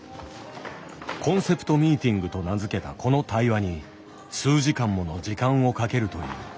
「コンセプトミーティング」と名付けたこの対話に数時間もの時間をかけるという。